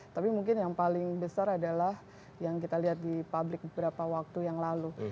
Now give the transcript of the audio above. tapi mungkin yang paling besar adalah yang kita lihat di publik beberapa waktu yang lalu